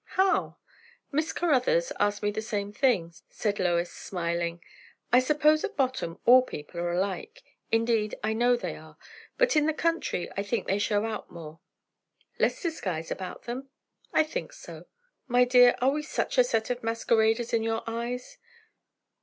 "How?" "Miss Caruthers asked me the same thing," said Lois, smiling. "I suppose at bottom all people are alike; indeed, I know they are. But in the country I think they show out more." "Less disguise about them?" "I think so." "My dear, are we such a set of masqueraders in your eyes?"